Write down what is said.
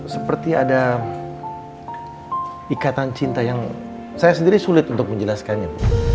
seperti ada ikatan cinta yang saya sendiri sulit untuk menjelaskannya